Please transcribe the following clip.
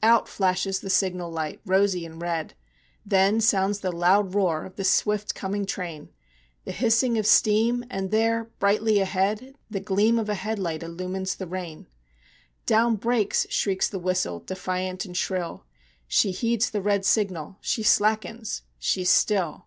Out flashes the signal light, rosy and red; Then sounds the loud roar of the swift coming train, The hissing of steam, and there, brightly ahead, The gleam of a headlight illumines the rain. "Down brakes!" shrieks the whistle, defiant and shrill; She heeds the red signal she slackens, she's still!